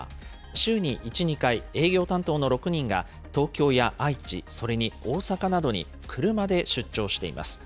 週に１、２回、営業担当の６人が東京や愛知、それに大阪などに車で出張しています。